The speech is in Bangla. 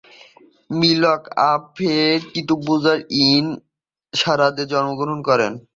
মীখল আফেক কিববুতজ ইন হারাদে জন্মগ্রহণ করেন।